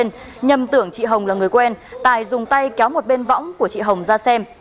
nhưng nhầm tưởng chị hồng là người quen tài dùng tay kéo một bên võng của chị hồng ra xem